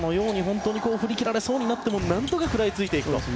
振り切られそうになっても何とか食らいついていくと。